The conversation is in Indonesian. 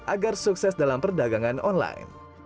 agar sukses dalam perdagangan online